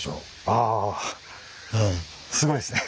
ああすごいですね。